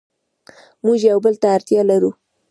موږ یو بل ته اړتیا لرو.